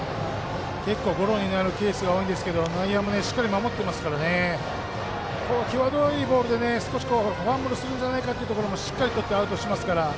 結構ゴロになるケース多いですけど内野もしっかり守ってますから際どいボールでファンブルするんじゃないかというところもしっかりとってアウトにしてますから。